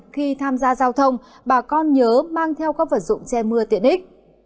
khi tham gia giao thông bà con nhớ mang theo các vật dụng che mưa tiện ích